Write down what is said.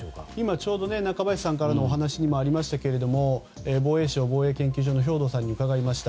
ちょうど中林さんからのお話にもありましたが防衛省防衛研究所の兵頭さんに伺いました。